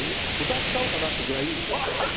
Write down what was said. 歌っちゃおうかなってぐらい。